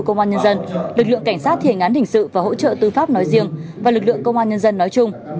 công an nhân dân lực lượng cảnh sát thiền án hình sự và hỗ trợ tư pháp nói riêng và lực lượng công an nhân dân nói chung